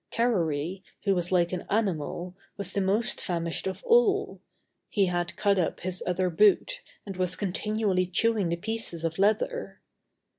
Carrory, who was like an animal, was the most famished of all; he had cut up his other boot and was continually chewing the pieces of leather.